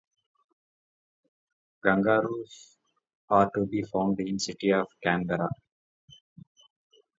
Kangaroos are to be found in the city of Canberra.